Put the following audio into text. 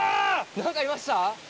何かいました？